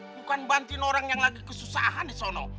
bukan bantin orang yang lagi kesusahan di sana